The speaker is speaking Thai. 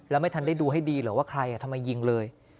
แล้วไม่ทันได้ดูให้ดีเหรอว่าใครทำไมยิงเลย